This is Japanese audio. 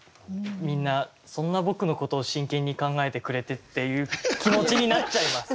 みんなそんな僕のことを真剣に考えてくれてっていう気持ちになっちゃいます。